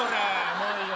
もういいよ。